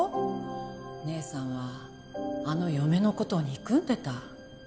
姉さんはあの嫁の事を憎んでた。